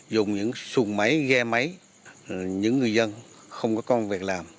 dùng những xuồng máy ghe máy những người dân không có công việc làm